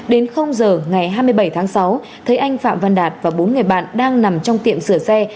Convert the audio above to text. đến giờ ngày hai mươi bảy tháng sáu thấy anh phạm văn đạt và bốn người bạn đang nằm trong tiệm sửa xe